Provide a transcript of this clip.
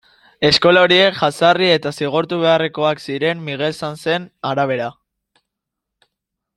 Eskola horiek jazarri eta zigortu beharrekoak ziren Miguel Sanzen arabera.